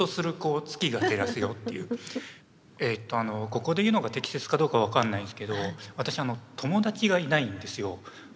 ここで言うのが適切かどうか分かんないんですけど私友達がいないんですよ。